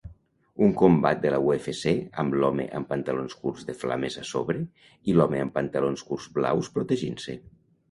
Un combat de la UFC amb l'home amb pantalons curts de flames a sobre i l'home amb pantalons curts blaus protegint-se